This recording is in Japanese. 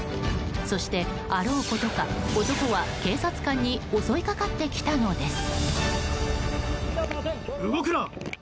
そして、あろうことか男は警察官に襲いかかってきたのです。